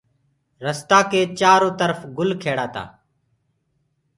رستآ ڪي چآرو ترڦ گُل کيڙآ تآ